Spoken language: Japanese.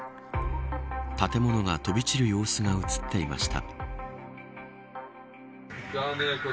建物が飛び散る様子が映っていました。